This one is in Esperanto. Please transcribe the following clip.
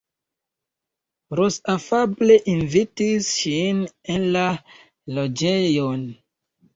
Ros afable invitis ŝin en la loĝejon.